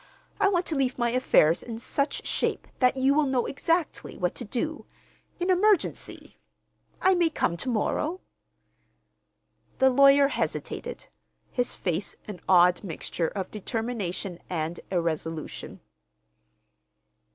I want to leave my affairs in such shape that you will know exactly what to do—in emergency. I may come to morrow?" The lawyer hesitated, his face an odd mixture of determination and irresolution.